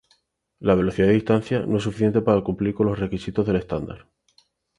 La velocidad y distancia no es suficiente para cumplir con los requisitos del estándar.